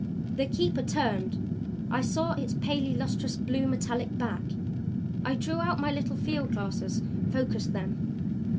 The Keeper turned I saw its palely lustrous blue metallic back. I drew out my little field glasses, focussed them.